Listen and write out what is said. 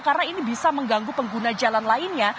karena ini bisa mengganggu pengguna jalan lainnya